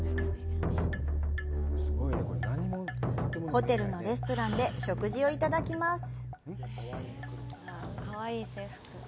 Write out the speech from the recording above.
ホテルのレストランで食事をいただきます。